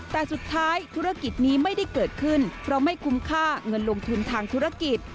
แต่สุดท้ายธุรกิจนี้ไม่ได้เกิดขึ้นเพราะไม่คุ้มค่าเงินลงทุนทางธุรกิจ